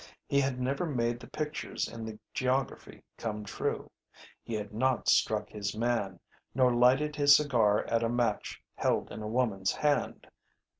He had never made the pictures in the geography come true. He had not struck his man, nor lighted his cigar at a match held in a woman's hand.